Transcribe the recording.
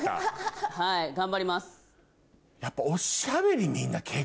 はい頑張ります。